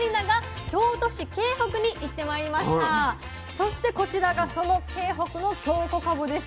そしてこちらがその京北の京こかぶです。